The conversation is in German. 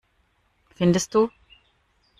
Findest du?